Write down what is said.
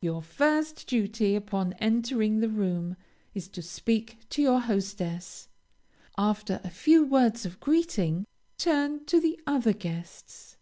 Your first duty, upon entering the room, is to speak to your hostess. After a few words of greeting, turn to the other guests.